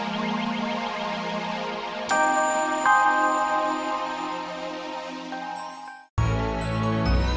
sampai jumpa lagi